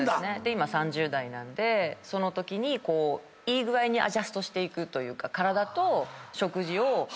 今３０代なんでそのときにいい具合にアジャストしていくというか。